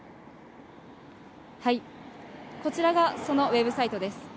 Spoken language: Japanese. こちらがそのウェブサイトです。